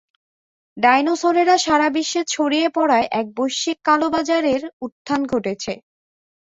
ডাইনোসরেরা সারাবিশ্বে ছড়িয়ে পড়ায়, এক বৈশ্বিক কালোবাজারের উত্থান ঘটেছে।